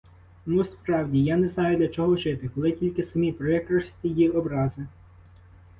Ну, справді, я не знаю, для чого жити, коли тільки самі прикрості й образи.